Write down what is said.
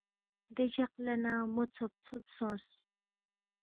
دے جق لہ نہ مو ژُھوب ژُھوب سونگ